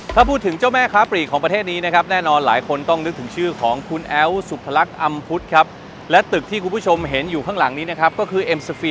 ถ้าพูดถึงเจ้าแม่ค้าปลีกของประเทศนี้นะครับแน่นอนหลายคนต้องนึกถึงชื่อของคุณแอ๋วสุพรรคอำพุทธครับและตึกที่คุณผู้ชมเห็นอยู่ข้างหลังนี้นะครับก็คือเอ็มสฟี